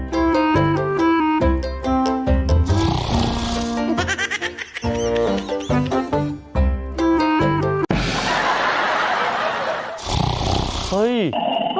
หลอกเด็กแบบนี้ดีคุณชนะ